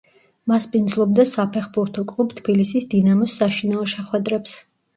მასპინძლობდა საფეხბურთო კლუბ თბილისის „დინამოს“ საშინაო შეხვედრებს.